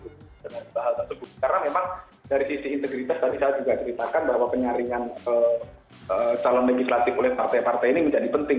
karena memang dari sisi integritas tadi saya juga ceritakan bahwa penyaringan calon legislatif oleh partai partai ini menjadi penting